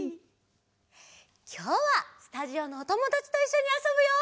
きょうはスタジオのおともだちといっしょにあそぶよ。